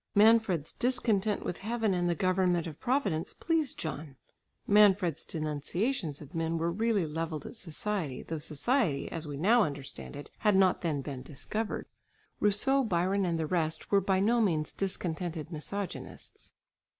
Manfred's discontent with heaven and the government of Providence pleased John. Manfred's denunciations of men were really levelled at society, though society as we now understand it, had not then been discovered. Rousseau, Byron and the rest were by no means discontented misogynists.